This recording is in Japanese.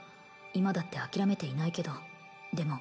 今だって諦めていないけどでも